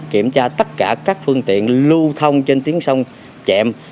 kiểm tra tất cả các phương tiện lưu thông trên tiếng sông chẹm